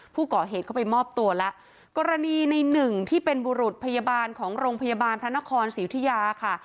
ผู้ก่อเหตุเข้าไปมอบตัวแล้วกรณีในหนึ่งที่เป็นบุรุษพยาบาลของโรงพยาบาลพระนครศรีอุทิยาค่ะ